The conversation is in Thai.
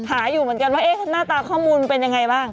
หาอยู่เหมือนกันว่าหน้าตาข้อมูลมันเป็นยังไงบ้าง